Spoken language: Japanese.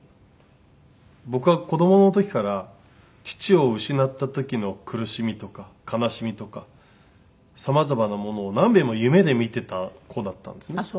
僕は子どもの時から父を失った時の苦しみとか悲しみとかさまざまなものをなんべんも夢で見てた子だったんですね。